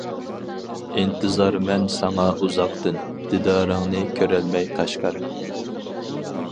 ئىنتىزارمەن ساڭا ئۇزاقتىن، دىدارىڭنى كۆرەلمەي قەشقەر.